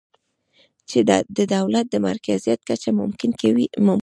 چې د دولت د مرکزیت کچه ممکنه کوي